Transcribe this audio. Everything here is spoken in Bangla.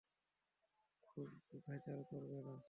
খুশবু, ভেজাল করবে না।